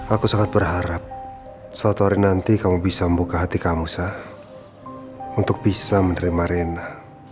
aku sangat berharap suatu hari nanti kamu bisa membuka hati kamu untuk bisa menerima rena